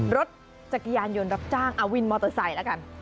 รถจักรยายนต์ยนต์รับจ้างอาวินมอเตอร์ไซต์